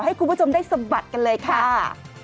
ให้คุณผู้ชมได้สะบัดกันเลยค่ะ